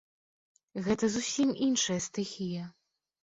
Гэта зусім іншая стыхія.